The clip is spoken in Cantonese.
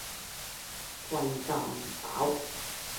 貴夾唔飽